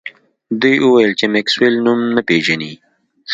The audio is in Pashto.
دوی وویل چې میکسویل نوم نه پیژني